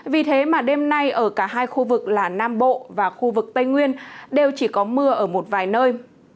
vì thế mà đêm nay ở cả hai khu vực là nam bộ và khu vực tây nguyên đều chỉ có mưa ở một vài nơi